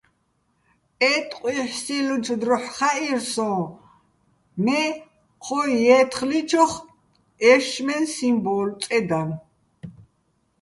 ე ტყუ́ჲჰ̦სილლუჩო̆ დროჰ̦ ხაჸი სოჼ, მე ჴო ჲე́თხლიჩოხ ეშშმეჼ სიმბო́ლო̆ წედანო̆.